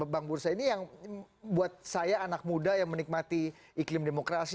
bang bursa ini yang buat saya anak muda yang menikmati iklim demokrasi